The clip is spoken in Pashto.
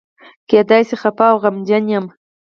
کېدای شي خپه او غمجن یم.